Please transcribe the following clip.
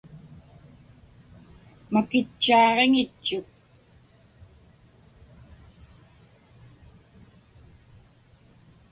Makitchaaġiŋitchuk.